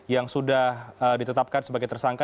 yang sudah ditetapkan sebagai tersangka